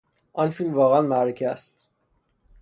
آن فیلم واقعا معرکه است.